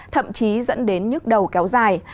thậm chí dẫn đến nhức đầu kéo dài